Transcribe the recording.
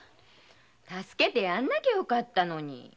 助けなきゃよかったのに。